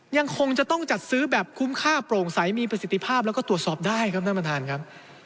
ยังคงจะต้องจัดซื้อแบบคุ้มค่าโปร่งใสมีประสิทธิภาพแล้วก็ตรวจสอบได้ครับท่านประธานครับ